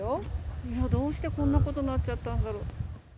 いや、どうしてこんなことなっちゃったんだろう。